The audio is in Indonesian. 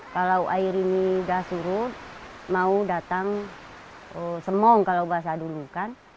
kalau air ini sudah surut mau datang semong kalau bahasa dulu kan